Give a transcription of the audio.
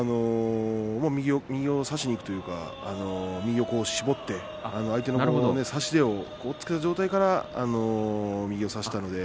右を差しにいくというか右を絞って相手の差し手を押っつけた状態から、右を差したので。